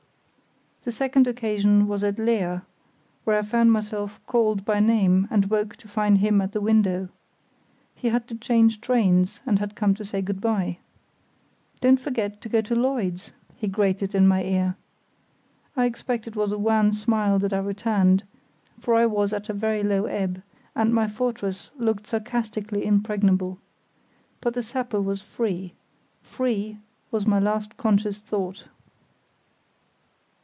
The second occasion was at Leer, where I heard myself called by name, and woke to find him at the window. He had to change trains, and had come to say good bye. "Don't forget to go to Lloyd's," he grated in my ear. I expect it was a wan smile that I returned, for I was at a very low ebb, and my fortress looked sarcastically impregnable. But the sapper was free; "free" was my last conscious thought.